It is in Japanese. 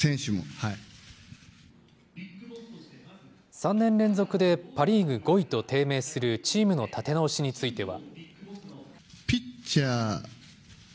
３年連続でパ・リーグ５位と低迷するチームの立て直しについては。